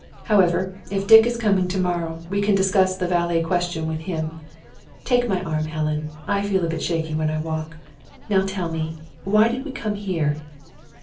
However, if Dick is coming to morrow, we can discuss the valet question with him. Take my arm, Helen. I feel a bit shaky when I walk. Now tell me why did we come here?"